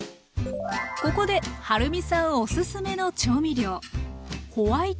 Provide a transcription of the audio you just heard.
ここではるみさんオススメの調味料。